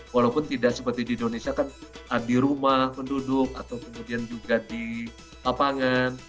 walaupun tidak seperti di indonesia kan di rumah penduduk atau kemudian juga di lapangan